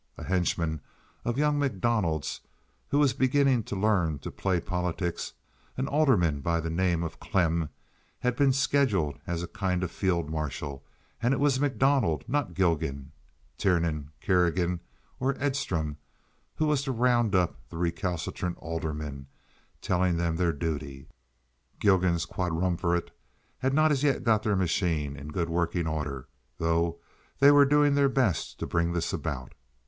A henchman of young MacDonald's who was beginning to learn to play politics—an alderman by the name of Klemm—had been scheduled as a kind of field marshal, and it was MacDonald—not Gilgan, Tiernan, Kerrigan, or Edstrom—who was to round up the recalcitrant aldermen, telling them their duty. Gilgan's quadrumvirate had not as yet got their machine in good working order, though they were doing their best to bring this about.